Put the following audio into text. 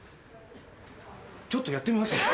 ちょっとやってみます。